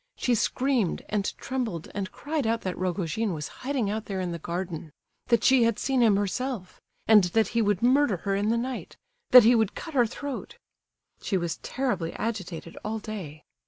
She screamed, and trembled, and cried out that Rogojin was hiding out there in the garden—that she had seen him herself—and that he would murder her in the night—that he would cut her throat. She was terribly agitated all day.